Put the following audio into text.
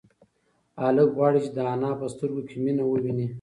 هلک غواړي چې د انا په سترگو کې مینه وویني.